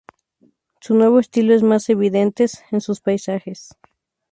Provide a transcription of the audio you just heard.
Su nuevo estilo es más evidentes en sus paisajes.